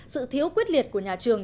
sự thiếu quyết liệt của nhà trường